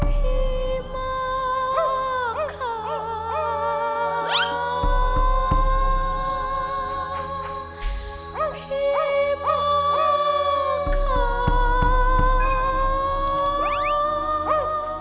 พี่มากค่ะ